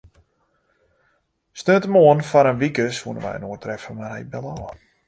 Saterdeitemoarn foar in wike soene wy inoar treffe, mar hy belle ôf.